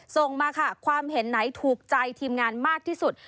ส่งมาค่ะความเห็นไหนถูกใจทีมงานมากที่สุด